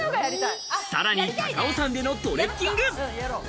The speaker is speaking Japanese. さらに高尾山でのトレッキング。